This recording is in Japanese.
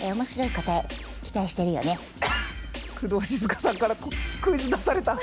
工藤静香さんからクイズ出された。